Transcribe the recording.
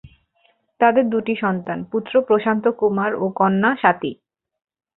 তাদের দুটি সন্তান, পুত্র প্রশান্ত কুমার ও কন্যা স্বাতী।